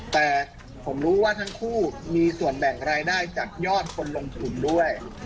แต่ผมรู้ว่าทั้งคู่มีส่วนแบ่งรายได้จากยอดคนลงทุนด้วย